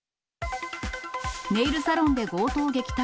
ネイルサロンで強盗撃退。